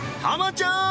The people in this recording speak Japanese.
ちゃーん！